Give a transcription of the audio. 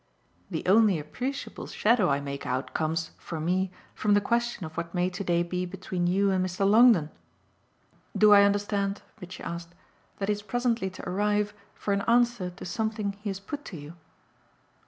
The only appreciable shadow I make out comes, for me, from the question of what may to day be between you and Mr. Longdon. Do I understand," Mitchy asked, "that he's presently to arrive for an answer to something he has put to you?"